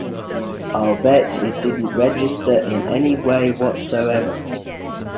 I'll bet it didn't register in any way whatsoever.